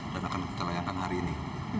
dan akan kita layankan hari ini